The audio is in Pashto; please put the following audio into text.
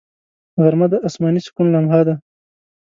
غرمه د آسماني سکون لمحه ده